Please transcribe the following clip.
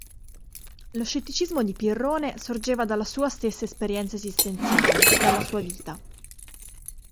Lo scetticismo di Pirrone sorgeva dalla sua stessa esperienza esistenziale, dalla sua vita.